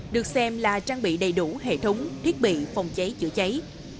được xem là trang bị đầy đủ hệ thống thiết bị phòng cháy chữa cháy